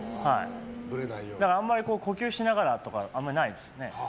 だからあんまり呼吸しながらとかあんまりないですね。